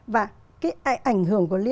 và cái ảnh hưởng